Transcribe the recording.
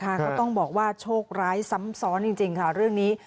ก็ต้องบอกว่าโชคร้ายซ้ำซ้อนจริงค่ะเรื่องนี้